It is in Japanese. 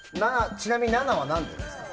ちなみに７は何でなんですか？